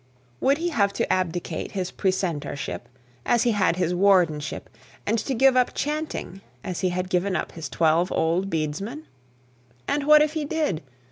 would he have to abdicate his precentorship, as he had his wardenship, and to give up chanting, as he had given up his twelve old bedesmen? And what if he did!